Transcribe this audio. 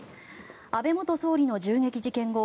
安倍元総理の銃撃事件後